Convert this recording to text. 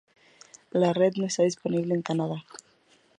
La red no estaba disponible en Canadá.